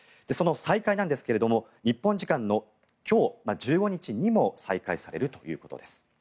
その再開なんですが日本時間の今日、１５日にも再開されるということです。